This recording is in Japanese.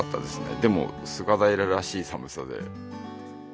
でも、菅平らしい寒さで。